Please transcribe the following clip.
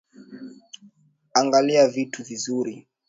Angalia vitu vizuri.